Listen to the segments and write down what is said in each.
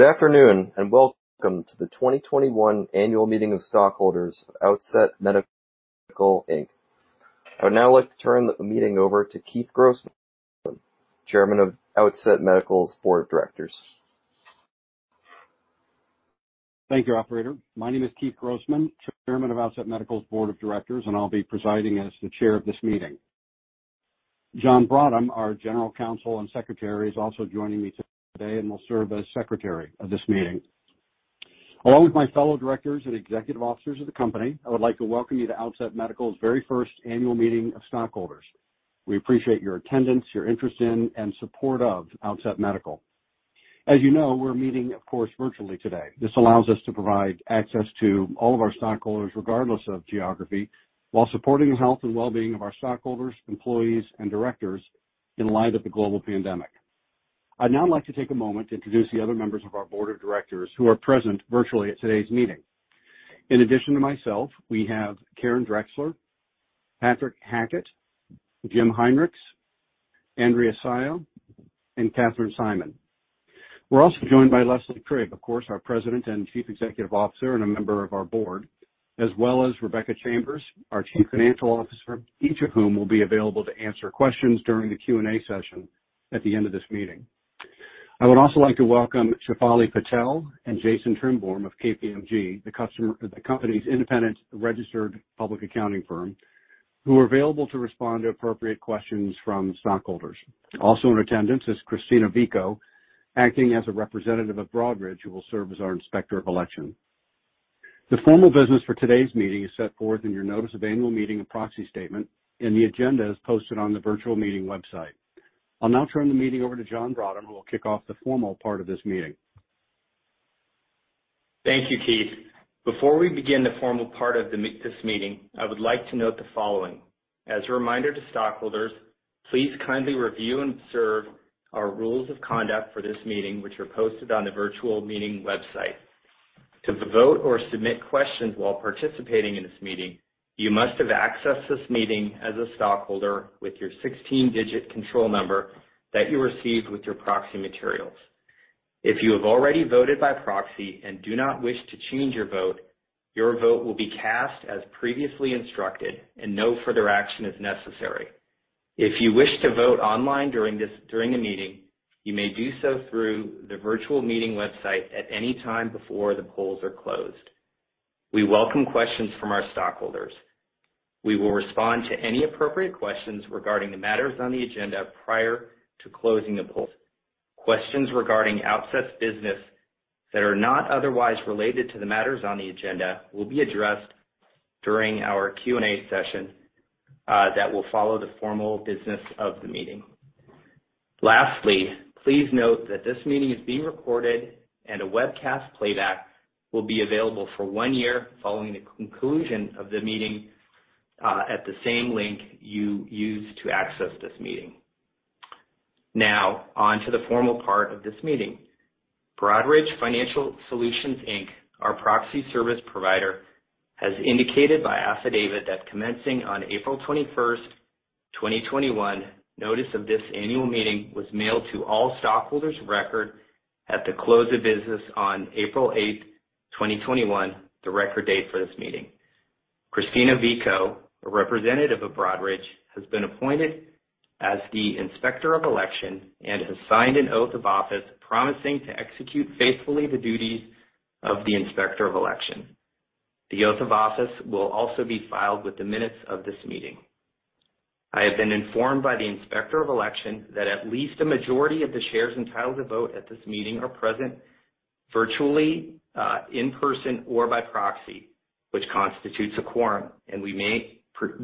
Good afternoon, welcome to the 2021 Annual Meeting of Stockholders of Outset Medical, Inc. I would now like to turn the meeting over to Keith Grossman, Chairman of Outset Medical's Board of Directors. Thank you, operator. My name is Keith Grossman, Chairman of Outset Medical's Board of Directors. And I'll be presiding, as the Chair of this meeting. John Brottem, our General Counsel and Secretary. Is also joining me today, and will serve as Secretary of this meeting. Along with my fellow Directors, and Executive Officers of the company. I would like to welcome you to Outset Medical's very first Annual Meeting of Stockholders. We appreciate your attendance, your interest in, and support of Outset Medical. As you know, we're meeting, of course, virtually today. This allows us to provide access to all of our stockholders, regardless of geography. While supporting the health, and wellbeing of our stockholders, employees, and Directors in light of the global pandemic. I'd now like to take a moment, to introduce the other members of our Board of Directors. Who are present virtually at today's meeting. In addition to myself, we have Karen Drexler, Patrick Hackett, Jim Hinrichs, Andrea Saia, and Catherine Szyman. We're also joined by Leslie Trigg, of course, our President and Chief Executive Officer, and a member of our Board. As well as Rebecca Chambers, our Chief Financial Officer. Each of whom will be available to answer questions during the Q&A session, at the end of this meeting. I would also like to welcome Shefali Patel, and Jason Trimborn of KPMG. The company's independent registered public accounting firm, who are available to respond to appropriate questions from stockholders. Also in attendance is Christina Vico, acting as a Representative of Broadridge. Who will serve as our Inspector of Election. The formal business for today's meeting, is set forth in your notice of Annual Meeting and Proxy Statement. And the agenda is posted on the virtual meeting website. I'll now turn the meeting over to John Brottem. Who will kick off the formal part of this meeting. Thank you, Keith. Before we begin the formal part of this meeting. I would like to note the following. As a reminder to stockholders, please kindly review, and serve our rules of conduct for this meeting. Which are posted on the virtual meeting website. To vote or submit questions, while participating in this meeting. You must have accessed this meeting, as a stockholder. With your 16-digit control number, that you received with your proxy materials. If you have already voted by proxy, and do not wish to change your vote. Your vote will be cast as previously instructed, and no further action is necessary. If you wish to vote online during the meeting. You may do so through the virtual meeting website, at any time before the polls are closed. We welcome questions from our stockholders. We will respond to any appropriate questions, regarding the matters on the agenda prior to closing the polls. Questions regarding Outset's business, that are not otherwise related to the matters on the agenda. Will be addressed during our Q&A session, that will follow the formal business of the meeting. Lastly, please note that this meeting is being recorded, and a webcast playback. Will be available for one year, following the conclusion of the meeting. At the same link, you used to access this meeting. Now, onto the formal part of this meeting. Broadridge Financial Solutions, Inc., our proxy service provider. Has indicated by affidavit, that commencing on April 21st, 2021. Notice of this Annual Meeting, was mailed to all stockholders of record. At the close of business on April 8th, 2021, the record date for this meeting. Christina Vico, a Representative of Broadridge. Has been appointed, as the Inspector of Election, and has signed an oath of office promising. To execute faithfully, the duties of the Inspector of Election. The oath of office, will also be filed with the minutes of this meeting. I have been informed by the Inspector of Election. That at least a majority of the shares, entitled to vote at this meeting are present virtually, in person, or by proxy. Which constitutes a quorum, and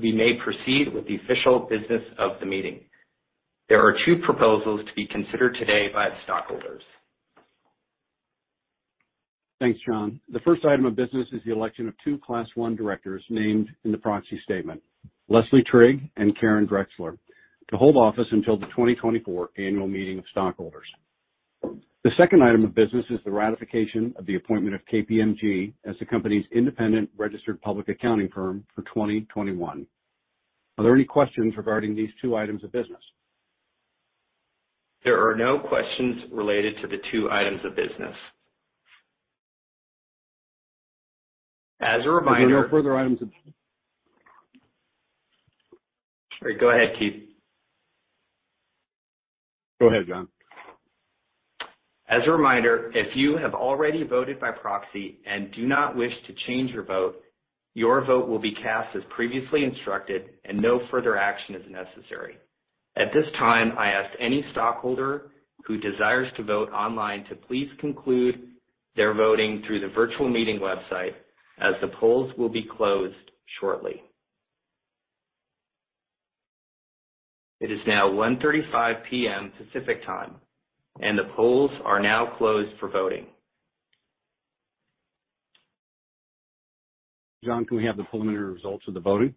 we may proceed with the official business of the meeting. There are two proposals, to be considered today by the stockholders. Thanks, John. The first item of business, is the election of two Class I directors. Named in the Proxy Statement, Leslie Trigg and Karen Drexler. To hold office until the 2024 Annual Meeting of Stockholders. The second item of business, is the ratification of the appointment of KPMG. As the company's independent registered public accounting firm for 2021. Are there any questions regarding these two items of business? There are no questions, related to the two items of business. As a reminder. Are there no further items of business? Go ahead, Keith. Go ahead, John. As a reminder, if you have already voted by proxy, and do not wish to change your vote. Your vote will be cast as previously instructed, and no further action is necessary. At this time, I ask any stockholder who desires to vote online. To please conclude, their voting through the virtual meeting website. As the polls will be closed shortly. It is now 1:35 P.M. Pacific Time, and the polls are now closed for voting. John, can we have the preliminary results of the voting?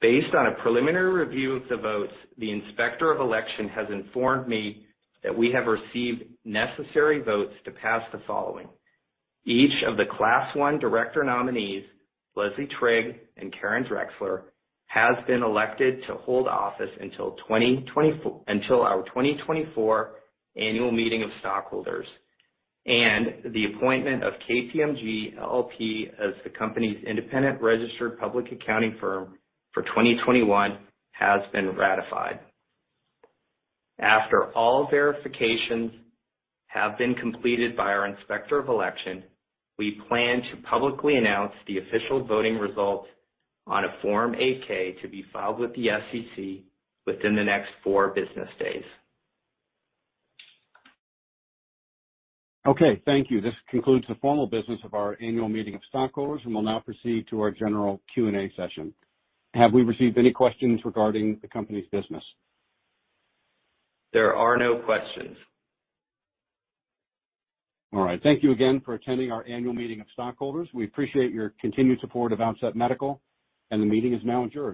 Based on a preliminary review of the votes. The Inspector of Election, has informed me that we have received necessary votes to pass the following. Each of the Class I director nominees, Leslie Trigg and Karen Drexler. Has been elected to hold office until our 2024 Annual Meeting of Stockholders, and the appointment of KPMG LLP. As the company's independent registered public accounting firm, for 2021 has been ratified. After all verifications have been completed by our Inspector of Election. We plan to publicly announce, the official voting results on a Form 8-K. To be filed with the SEC, within the next four business days. Okay. Thank you. This concludes the formal business of our Annual Meeting of Stockholders. We will now proceed to our general Q&A session. Have we received any questions regarding the company's business? There are no questions. All right. Thank you again for attending our Annual Meeting of Stockholders. We appreciate your continued support of Outset Medical, and the meeting is now adjourned.